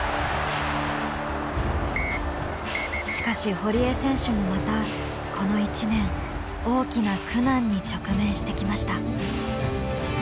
しかし堀江選手もまたこの１年大きな苦難に直面してきました。